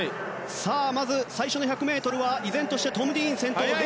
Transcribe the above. まず最初の１００ｍは依然としてトム・ディーンが先頭。